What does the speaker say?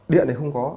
điện thì không có